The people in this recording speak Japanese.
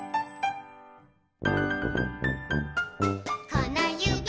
「このゆび